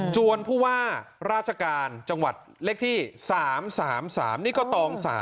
ผู้ว่าราชการจังหวัดเลขที่๓๓นี่ก็ตอง๓